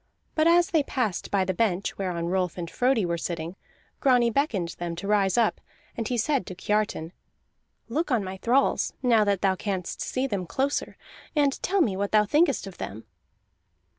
But as they passed by the bench whereon Rolf and Frodi were sitting, Grani beckoned them to rise up, and he said to Kiartan: "Look on my thralls, now that thou canst see them closer, and tell me what thou thinkest of them."